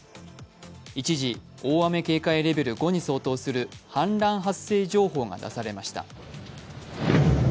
一時、大雨警戒レベル５に相当する氾濫発生情報が出されました。